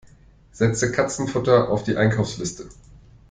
Setze Katzenfutter auf die Einkaufsliste!